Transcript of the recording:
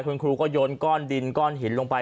คุณครูก็ยนต์กล้อนดินกล้อนหินไป